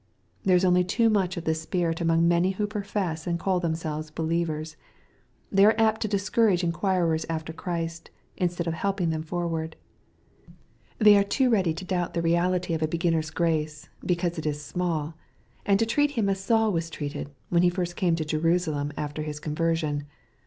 There is only too much of this spirit among many who profess and call themselves believers. They are apt to discourage inquirers after Christ, instead of helping them forward. They are too ready to doubt the reality of a beginner's grace, because it is small, and to treat him as Saul was treated when he first came to Jerusalem after his conversion.